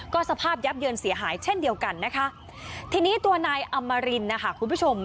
ก็สภาพยับเยินเสียหายเช่นเดียวกันนะคะทีนี้ตัวนายอมรินนะคะคุณผู้ชม